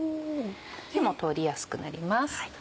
火も通りやすくなります。